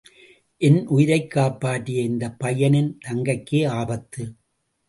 என் உயிரைக் காப்பாற்றிய இந்தப் பையனின் தங்கைக்கே ஆபத்து.